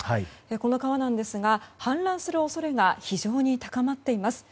この川は氾濫する恐れが非常に高まっています。